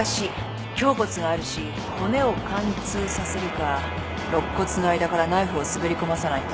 胸骨があるし骨を貫通させるか肋骨の間からナイフを滑り込まさないと。